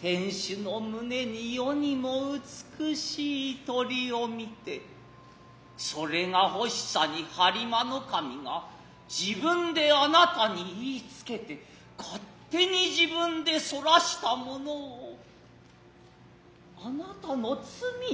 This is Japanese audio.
天守の棟に世にも美しい鳥を視てそれが欲しさに播磨守が自分で貴方にいひつけて勝手に自分でそらしたものを貴方の罪にしますのかい。